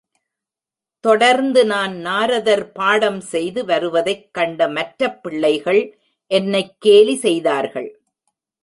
தொடர்ந்து நான் நாரதர் பாடம் செய்து வருவதைக் கண்ட மற்றப் பிள்ளைகள் என்னைக் கேலி செய்தார்கள்.